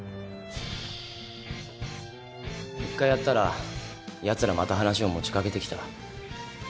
１回やったらやつらまた話を持ち掛けてきた。